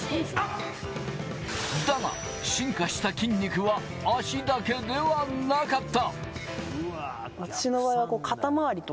だが、進化した筋肉は足だけではなかった！